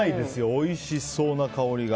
おいしそうな香りが。